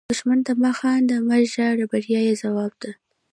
دښمن ته مه خاندئ، مه وژاړئ – بریا یې ځواب ده